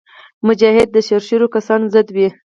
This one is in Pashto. مجاهد د شریرو کسانو ضد وي.